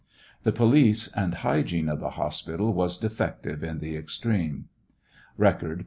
The police and hygiene of the hospital was defective in the extreme. (Record, pp.